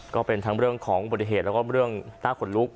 ก็เป็นทั้งเรื่องของอุบัติเหตุแล้วก็เรื่องหน้าขนลุก